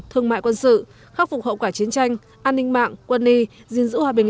thương mại quân sự khắc phục hậu quả chiến tranh an ninh mạng quân y diên dữ hòa bình